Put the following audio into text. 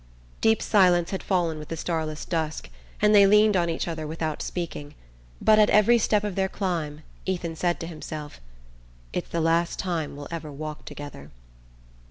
Deep silence had fallen with the starless dusk, and they leaned on each other without speaking; but at every step of their climb Ethan said to himself: "It's the last time we'll ever walk together."